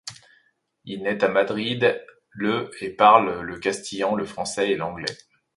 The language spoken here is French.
Il nait à Madrid le et parle le castillan, le français et l'anglais.